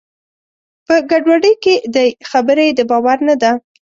په ګډوډۍ کې دی؛ خبره یې د باور نه ده.